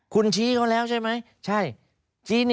คุณชี้เขาแล้วใช่ไหม